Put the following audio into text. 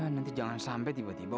nanti jangan sampai tiba tiba